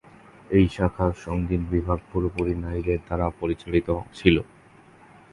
এই শাখার সঙ্গীত বিভাগ পুরোপুরি নারীদের দ্বারা পরিচালিত ছিল।